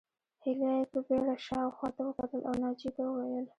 هيلې په بېړه شا او خواته وکتل او ناجيې ته وویل